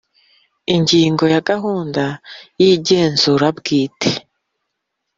Ingingo ya Gahunda y igenzura bwite